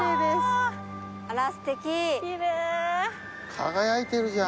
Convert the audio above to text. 輝いてるじゃん。